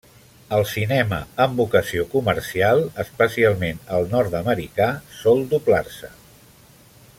El cinema amb vocació comercial, especialment el nord-americà, sol doblar-se.